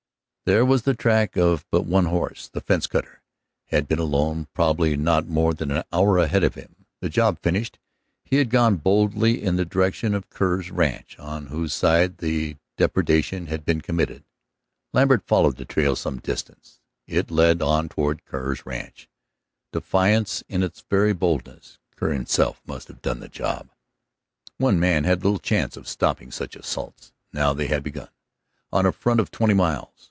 There was the track of but one horse; the fence cutter had been alone, probably not more than an hour ahead of him. The job finished, he had gone boldly in the direction of Kerr's ranch, on whose side the depredation had been committed. Lambert followed the trail some distance. It led on toward Kerr's ranch, defiance in its very boldness. Kerr himself must have done that job. One man had little chance of stopping such assaults, now they had begun, on a front of twenty miles.